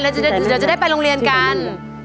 เราจะได้ไปโรงเรียนกัน